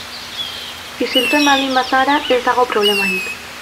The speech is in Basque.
Isiltzen baldin bazara ez dago problemarik.